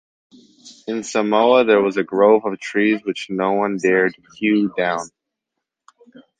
In Samoa there was a grove of trees which no one dared hew down.